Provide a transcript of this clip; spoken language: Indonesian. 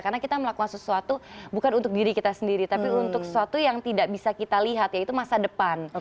karena kita melakukan sesuatu bukan untuk diri kita sendiri tapi untuk sesuatu yang tidak bisa kita lihat yaitu masa depan